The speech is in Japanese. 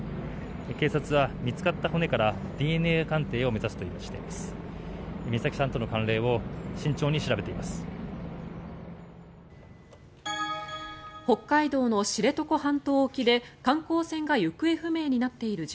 警察は見つかった骨からＤＮＡ鑑定を目指すとしています。